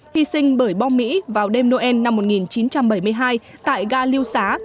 hy sinh bởi bom mỹ vào đêm noel năm một nghìn chín trăm bảy mươi hai tại ga liêu xá